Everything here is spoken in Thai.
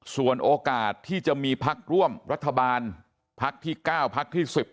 ส่วนโอกาสที่จะมีพักร่วมรัฐบาลพักที่๙พักที่๑๐